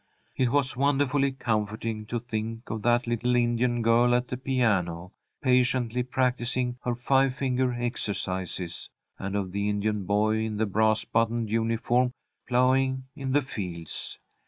It was wonderfully comforting to think of that little Indian girl at the piano, patiently practising her five finger exercises, and of the Indian boy in the brass buttoned uniform ploughing in the fields.